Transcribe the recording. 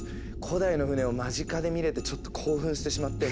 古代の船を間近で見れてちょっと興奮してしまって。